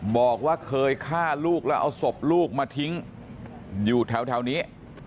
บอกว่าเคยฆ่าลูกแล้วเอาศพลูกมาทิ้งอยู่แถวนี้